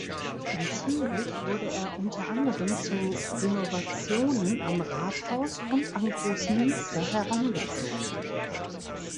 In Zürich wurde er unter anderem zu Renovationen am Rathaus und am Grossmünster herangezogen.